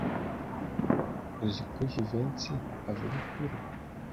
Uzi ko Jivency avuga ukuri.